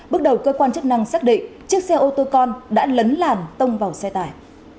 bước đầu cơ quan chức năng xác định chiếc xe ô tô con đã lấn làn tông vào xe tải